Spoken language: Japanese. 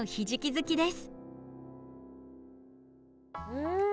うん。